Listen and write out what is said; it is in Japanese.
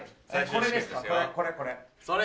これこれ。